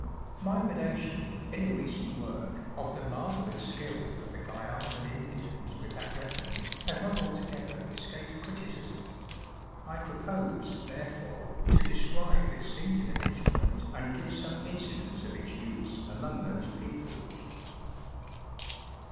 My relation, in a recent work, of the marvellous skill of the Gruianan Indians with that weapon has not altogether escaped criticism. I propose, therefore, to describe this singular instrument and give some incidents of its use among those people.